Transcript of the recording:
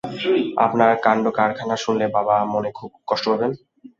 আপনার কাণ্ডকারখানা শুনলে বাবা মনে খুব কষ্ট পাবেন!